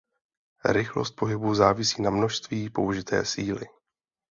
Rychlost pohybu závisí na množství použité síly.